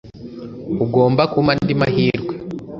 ugomba kumpa andi mahirwe